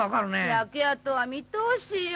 焼け跡は見通しよ。